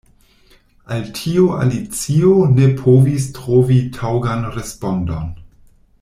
Al tio Alicio ne povis trovi taŭgan respondon.